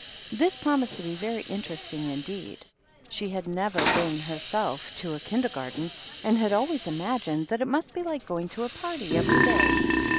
This promised to be very interesting indeed. She had never been herself to a Kindergarten, and had always imagined that it must be like going to a party every day.